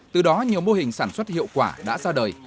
từ đó nhiều mô hình sản xuất hiệu quả đã ra đời